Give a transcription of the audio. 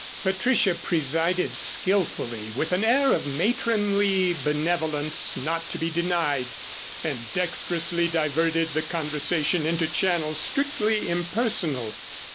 Patricia presided skilfully with an air of matronly benevolence not to be denied and dextrously diverted the conversation into channels strictly impersonal.